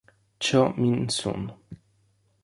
Cho Min-sun